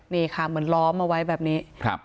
นี่ค่ะเหมือนล้อมเอาไว้แบบนี้